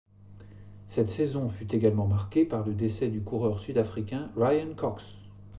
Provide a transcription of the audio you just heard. Cette saison fut également marquée par le décès du coureur sud-africain Ryan Cox.